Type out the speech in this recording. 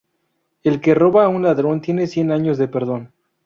El que roba a un ladrón tiene cien años de perdón